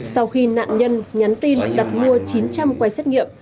sau khi nạn nhân nhắn tin đặt mua chín trăm linh quầy xét nghiệm